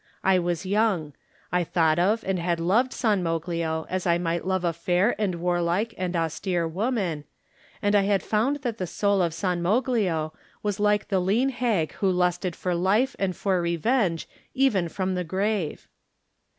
I was young. I thought of and had loved San Moglio as I might love a fair and warlike and austere woman, and I had found that the soul of San Moglio was like the lean hag who lusted for life and for revenge even from the grave.